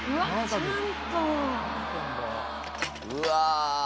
うわ。